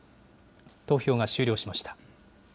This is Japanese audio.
投票が終了しました。